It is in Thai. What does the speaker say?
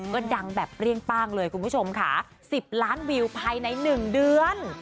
ก็ดังแบบเปรี้ยงป้างเลยคุณผู้ชมค่ะ๑๐ล้านวิวภายใน๑เดือน